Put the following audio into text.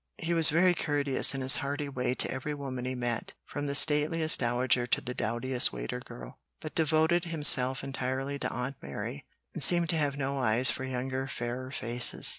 He was very courteous in his hearty way to every woman he met, from the stateliest dowager to the dowdiest waiter girl, but devoted himself entirely to Aunt Mary, and seemed to have no eyes for younger fairer faces.